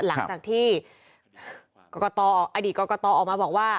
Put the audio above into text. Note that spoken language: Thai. หลังจากที่อดีตกรกตออกมาบอกว่า